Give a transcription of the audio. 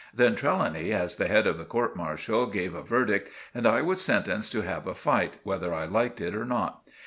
Then Trelawny, as the head of the court martial, gave a verdict and I was sentenced to have a fight, whether I liked it or not.